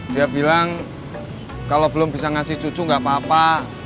dia bilang kalau belum bisa ngasih cucu nggak apa apa